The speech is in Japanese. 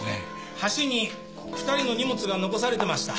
橋に２人の荷物が残されてました。